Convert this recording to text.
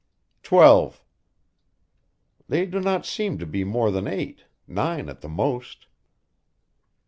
"Twelve." "They do not seem to be more than eight nine at the most."